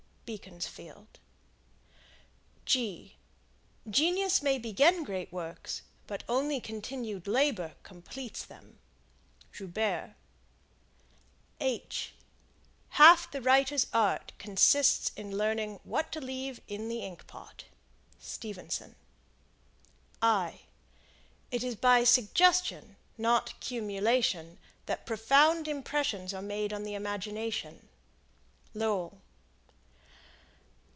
Beaconsfield Genius may begin great works, but only continued labor completes them. Joubert. Half the writer's art consists in learning what to leave in the ink pot. Stevenson. It is by suggestion, not cumulation, that profound impressions are made on the imagination. Lowell.